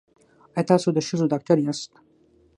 ایا تاسو د ښځو ډاکټر یاست؟